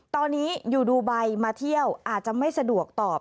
ตอนนี้อยู่ดูไบมาเที่ยวอาจจะไม่สะดวกตอบ